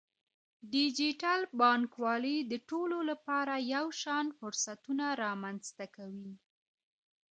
ډیجیټل بانکوالي د ټولو لپاره یو شان فرصتونه رامنځته کوي.